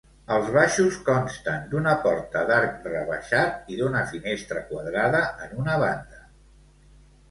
Els baixos consten d'una porta d'arc rebaixat i d'una finestra quadrada en una banda.